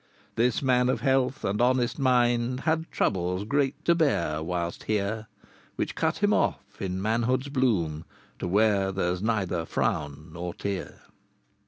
II. This man, of health and honest mind, Had troubles great to bear whilst here, Which cut him off, in manhood's bloom, To where there's neither frown nor tear.